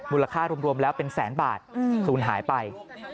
มูลค่ารวมแล้วเป็นแสนบาทศูนย์หายไป